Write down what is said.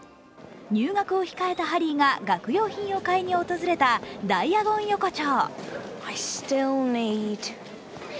入学を控えたハリーが学用品を買いに訪れたダイアゴン横丁。